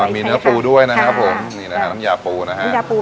มีเนื้อปูยาปู